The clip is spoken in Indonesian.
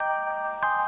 oke terima kasih bu